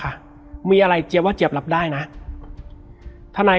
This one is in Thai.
แล้วสักครั้งหนึ่งเขารู้สึกอึดอัดที่หน้าอก